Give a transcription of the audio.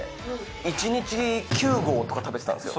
１日９合食べてたんですよ。